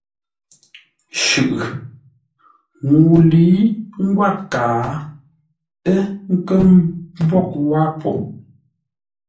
Shʉʼʉ.Ŋuu lə̌i ngwát kaa, ə́ nkə́ mbwóghʼ wâr po.